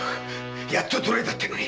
やっと捕らえたってのに！